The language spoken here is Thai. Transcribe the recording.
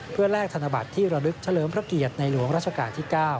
เพื่อแลกธนบัตรที่ระลึกเฉลิมพระเกียรติในหลวงราชการที่๙